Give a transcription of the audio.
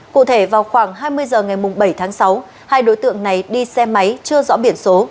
cụ thể vào khoảng hai mươi h ngày bảy tháng sáu hai đối tượng này đi xe máy chưa rõ biển số